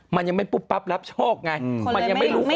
มันยังไม่ปุ๊บปั๊บรับโชคไง